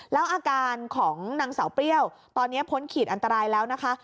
แล้วอาการของนางสาวเปรี้ยวตอนนี้พ้นขีดอันตรายแล้วนะคะ